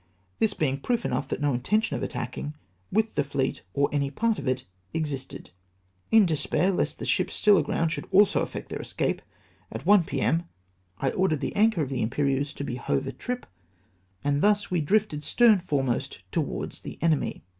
This was proof enough that no intention of attacking with the fleet, or any part of it, existed. In despair, lest the ships still aground should also effect their escape, at 1 p. m. I ordered the anchor of VOL. I. c c 386 DRIFT TOWAEDS TTTE EXE:\(Y. the Imperieuse to be hove atrip, and thus we drifted stern foremost towards the enemy.